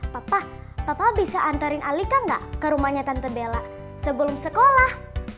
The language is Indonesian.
papa papa bisa antarin alika gak ke rumahnya tante bella sebelum sekolah